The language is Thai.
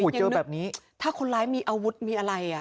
อย่างนึกถ้าคนร้ายมีอาวุธมีอะไร